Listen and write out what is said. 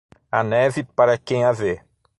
A neve, para quem a vê.